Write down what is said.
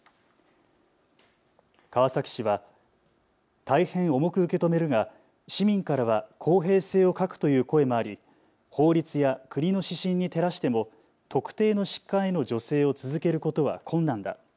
川崎市は大変重く受け止めるが市民からは公平性を欠くという声もあり法律や国の指針に照らしても特定の疾患への助成を続けることは困難だ。